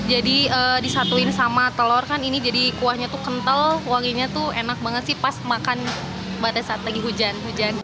jadi disatuin sama telur kan ini jadi kuahnya tuh kental wanginya tuh enak banget sih pas makan pada saat lagi hujan